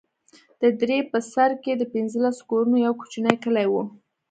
د درې په سر کښې د پنځلسو كورونو يو كوچنى كلى و.